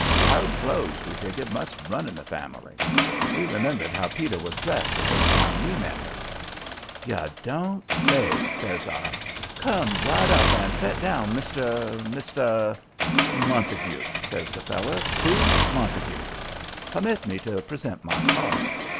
Loud clothes, we figgered, must run in the family. We remembered how Peter was dressed the first time we met him. "You don't say!" says I. "Come right up and set down, Mr. Mr. " "Montague," says the feller. "Booth Montague. Permit me to present my card."